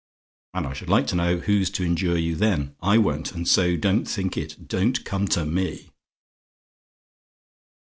And I should like to know who's to endure you then? I won't, and so don't think it. Don't come to me.